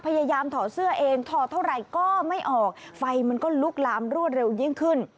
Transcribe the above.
ถอดเสื้อเองถอดเท่าไหร่ก็ไม่ออกไฟมันก็ลุกลามรวดเร็วยิ่งขึ้น